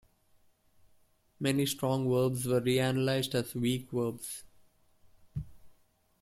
Many strong verbs were reanalysed as weak verbs.